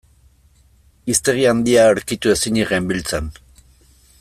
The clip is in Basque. Hiztegi handia aurkitu ezinik genbiltzan.